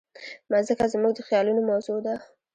مځکه زموږ د خیالونو موضوع ده.